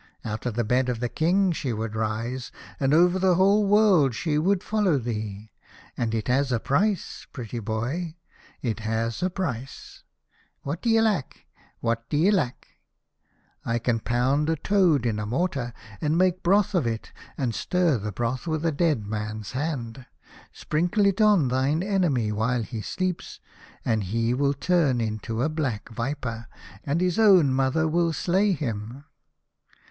Out of the bed of the King she would rise, and over the whole world she would follow thee. And it has a price, pretty boy, it has a price. What d'ye lack ? What d'ye lack ? I can pound a toad in a mortar, and make broth of it, and stir the broth with a dead man's hand. Sprinkle it on thine enemy while he sleeps, and he will turn into a black viper, and his own mother will slay him.